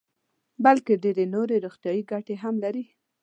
بلکې ډېرې نورې روغتیايي ګټې هم لري.